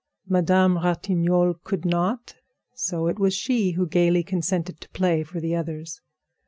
Madame Ratignolle could not, so it was she who gaily consented to play for the others.